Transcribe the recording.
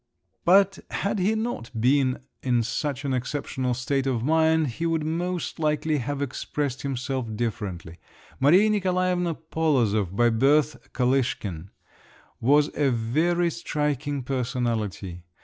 But had he not been in such an exceptional state of mind he would most likely have expressed himself differently; Maria Nikolaevna Polozov, by birth Kolishkin, was a very striking personality.